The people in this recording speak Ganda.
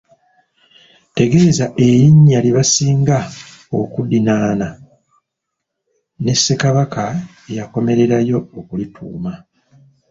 Tegeeza erinnya lye baasinga okuddinnana, ne Ssekabaka eyakomererayo okulituuma.